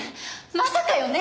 まさかよね？